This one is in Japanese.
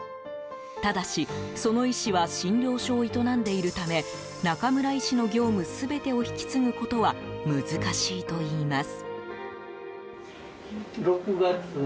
ただし、その医師は診療所を営んでいるため中村医師の業務全てを引き継ぐことは難しいといいます。